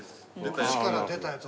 くしから出たやつ。